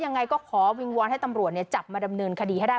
ยังไงก็ขอวิงวอนให้ตำรวจจับมาดำเนินคดีให้ได้